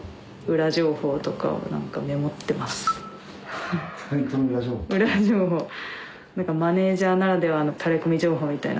裏情報何かマネジャーならではのタレこみ情報みたいな。